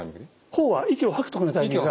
「ホー」は息を吐く時のタイミングが。